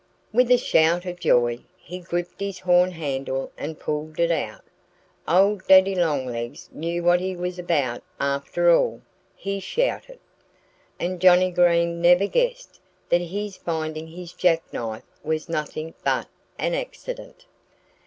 With a shout of joy he gripped its horn handle and pulled it out. "Old Daddy Longlegs knew what he was about after all!" he shouted. And Johnnie Green never guessed that his finding his jackknife was nothing but an accident.